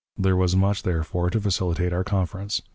There was much, therefore, to facilitate our conference.